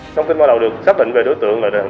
trong khi bắt đầu được xác định về đối tượng